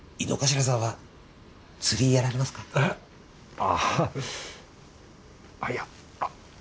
あぁいやあっ。